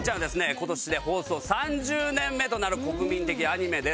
今年で放送３０年目となる国民的アニメです。